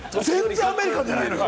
アメリカじゃないのよ。